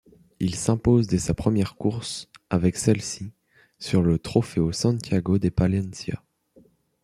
Il s'impose dès sa première course avec celle-ci, sur le Trofeo Santiago de Palencia.